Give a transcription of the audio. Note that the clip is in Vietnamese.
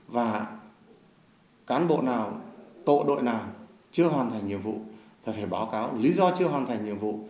và cán bộ nào tổ đội nào chưa hoàn thành nhiệm vụ là phải báo cáo lý do chưa hoàn thành nhiệm vụ